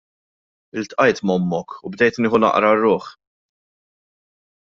Iltqajt m'ommok u bdejt nieħu naqra r-ruħ.